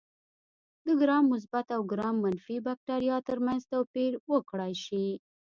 د ګرام مثبت او ګرام منفي بکټریا ترمنځ توپیر وکړای شي.